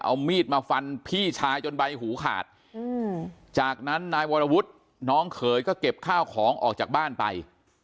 เอามีดมาฟันพี่ชายจนใบหูขาดจากนั้นนายวรวุฒิน้องเขยก็เก็บข้าวของออกจากบ้านไป